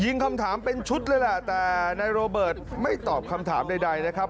คำถามเป็นชุดเลยแหละแต่นายโรเบิร์ตไม่ตอบคำถามใดนะครับ